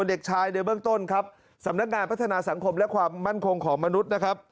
เด็กชายในเบื้องต้นครับสำนักงานพัฒนาสังคมและความมั่นคงของมนุษย์นะครับ